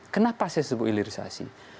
kenapa saya sebut hilirisasi